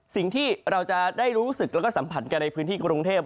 สิ่งที่เราจะได้รู้สึกแล้วก็สัมผัสกันในพื้นที่กรุงเทพ